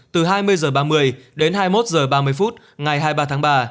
từ hai mươi h ba mươi đến hai mươi một h ba mươi phút ngày hai mươi ba tháng ba